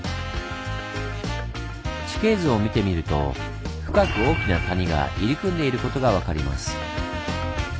地形図を見てみると深く大きな谷が入り組んでいることが分かります。